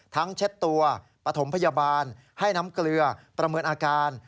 เช็ดตัวปฐมพยาบาลให้น้ำเกลือประเมินอาการ